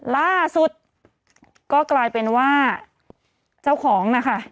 ล่าสุดก็กลายเป็นว่าเจ้าของนะคะ